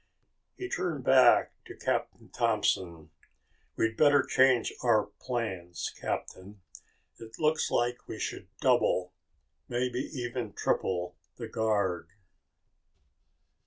He turned back to Captain Thompson. "We'd better change our plans, Captain. It looks like we should double, maybe even triple the guard...."